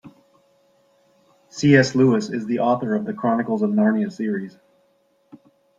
C.S. Lewis is the author of The Chronicles of Narnia series.